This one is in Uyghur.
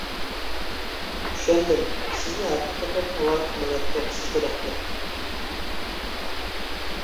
-چۈشەندىم. سىزنى ھەقىقەتەن ئاۋارە قىلىۋەتتۇق، سىزگە رەھمەت.